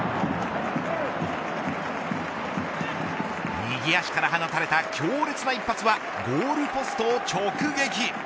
右足から放たれた強烈な一発はゴールポストを直撃。